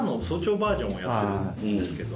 バージョンをやってるんですけど